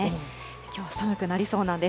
きょうは寒くなりそうなんです。